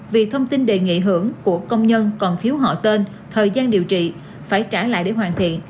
vì thông tin đề nghị hưởng của công nhân còn thiếu họ tên thời gian điều trị phải trả lại để hoàn thiện